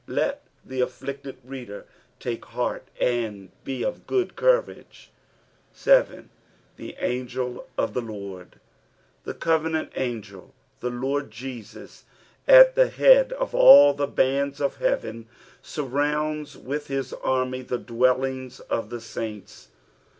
Let the afflicted reader take heart and be of aaoA courage. 7. " The angel of thi Lord.'' The covenant augel, the Lord Jesus, at the head of all the bonds of heaven, surrounds with hia arm^ the dwellings of the sunts.